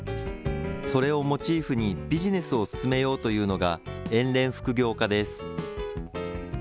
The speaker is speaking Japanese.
それをモチーフにビジネスを進めようというのが、遠恋複業課です。